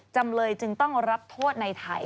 จำเลยจึงต้องรับโทษในไทย